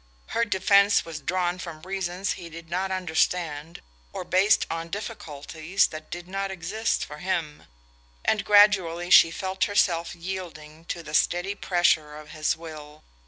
Her defense was drawn from reasons he did not understand, or based on difficulties that did not exist for him; and gradually she felt herself yielding to the steady pressure of his will.